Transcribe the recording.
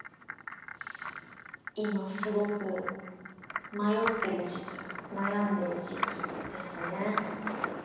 今すごく迷ってる時期悩んでる時期ですね。